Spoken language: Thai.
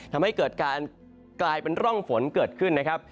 ทำให้เกิดการกลายเป็นร่องฝนเกิดขึ้นนะครับ